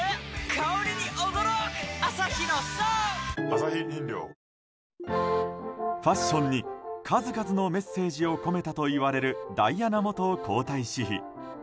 香りに驚くアサヒの「颯」ファッションに数々のメッセージを込めたといわれるダイアナ元皇太子妃。